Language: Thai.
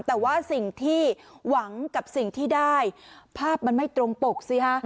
แต่ว่าสิ่งที่หวังกับสิ่งที่ได้ภาพมันไม่ตรงปกสิฮะ